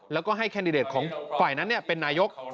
แล้วก็ให้แคนดิเดตของฝ่ายนั้นเป็นนายก